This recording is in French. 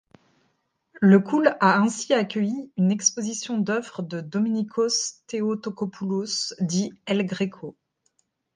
Le Koules a ainsi accueilli une exposition d'œuvres de Domínikos Theotokópoulos dit El Greco.